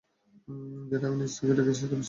যেটা আমি নিজ চোখে দেখি সেটাই বিশ্বাস করি।